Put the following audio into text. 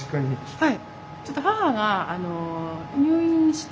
はい。